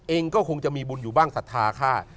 เองก็คงจะมีบุญอยู่บ้างศรัทธาค่ะ